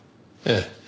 ええ。